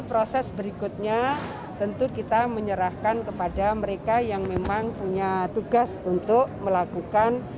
proses berikutnya tentu kita menyerahkan kepada mereka yang memang punya tugas untuk melakukan